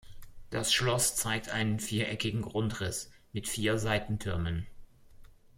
Das Schloss zeigt einen viereckigen Grundriss mit vier Seitentürmen.